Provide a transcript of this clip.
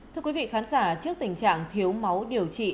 thưa quý vị khán giả trước tình trạng thiếu máu điều trị